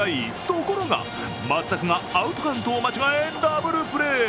ところが松坂がアウトカウントを間違えダブルプレー。